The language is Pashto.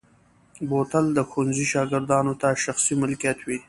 بوتل د ښوونځي شاګردانو ته شخصي ملکیت وي.